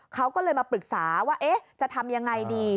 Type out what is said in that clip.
เขาก็เลยมาปรึกษาว่าจะทำยังไงดี